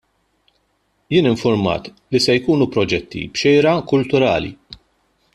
Jien informat li se jkunu proġetti b'xejra kulturali.